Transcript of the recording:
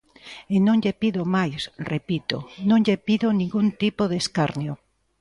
E non lle pido máis –repito–, non lle pido ningún tipo de escarnio.